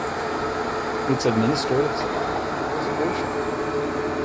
Its administrative centre was Orsha.